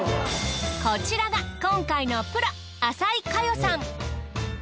こちらが今回のプロ淺井カヨさん。